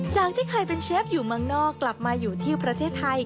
จากที่เคยเป็นเชฟอยู่เมืองนอกกลับมาอยู่ที่ประเทศไทย